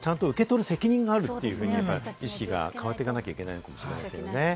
受け取る側もちゃんと受け取る責任があるというふうに意識が変わっていかなきゃいけないかもしれませんね。